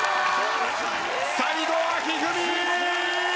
最後は一二三！